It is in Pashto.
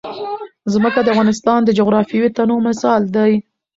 ځمکه د افغانستان د جغرافیوي تنوع مثال دی.